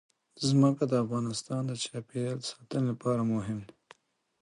ځمکه د افغانستان د چاپیریال ساتنې لپاره مهم دي.